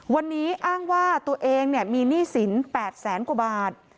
วันนี้อ้างว่าตัวเองมีหนี้สิน๘แสนกว่าบาท